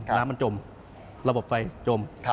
น้ำมันจมระบบไฟจม